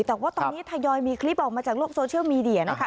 แต่ว่าตอนนี้ทยอยมีคลิปออกมาจากโลกโซเชียลมีเดียนะคะ